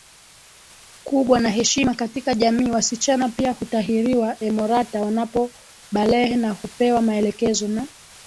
kubwa na heshima katika jamiiWasichana pia hutahiriwa emorata wanapobalehe na hupewa maelekezo na